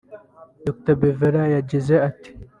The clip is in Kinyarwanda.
Dr Beverrah yagize ati